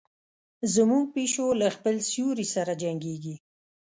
زموږ پیشو له خپل سیوري سره جنګیږي.